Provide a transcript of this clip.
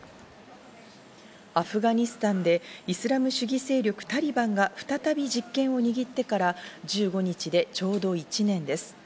アフガニスタンでイスラム主義勢力タリバンが再び実権を握ってから１５日でちょうど１年です。